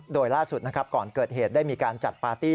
โดยล่าสุดนะครับก่อนเกิดเหตุได้มีการจัดปาร์ตี้